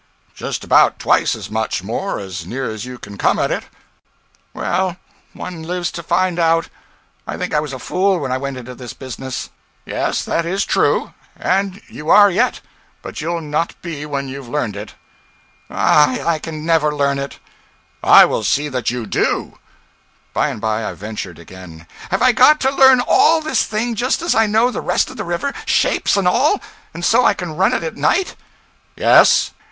'Just about twice as much more, as near as you can come at it.' 'Well, one lives to find out. I think I was a fool when I went into this business.' 'Yes, that is true. And you are yet. But you'll not be when you've learned it.' 'Ah, I never can learn it.' 'I will see that you do.' By and by I ventured again 'Have I got to learn all this thing just as I know the rest of the river shapes and all and so I can run it at night?' 'Yes.